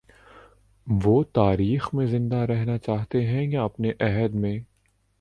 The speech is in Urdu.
وہ تاریخ میں زندہ رہنا چاہتے ہیں یا اپنے عہد میں؟